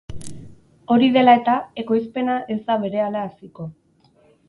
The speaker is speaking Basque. Hori dela eta, ekoizpena ez da berehala haziko.